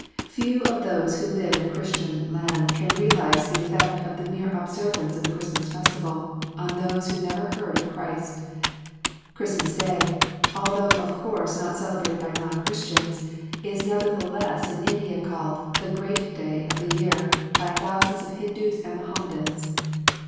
Few of those who live in a Christian land can realize the effect of the mere observance of the Christmas festival on those who never heard of Christ. Christmas Day, although of course not celebrated by non Christians, is nevertheless called in India "the great day of the year," by thousands of Hindus and Mohammedans.